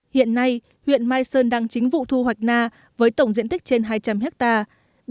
hiện nay huyện mai sơn đang chính vụ thu hoạch na với tổng diện tích trên hai trăm linh hectare